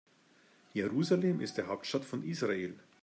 Jerusalem ist die Hauptstadt von Israel.